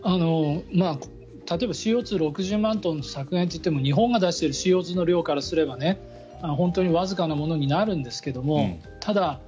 例えばＣＯ２６０万トン削減といっても日本が出しているＣＯ２の量からすれば本当にわずかなものになるんですけどただ、